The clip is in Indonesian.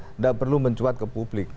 tidak perlu mencuat ke publik